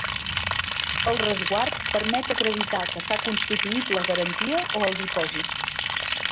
El resguard permet acreditar que s'ha constituït la garantia o el dipòsit.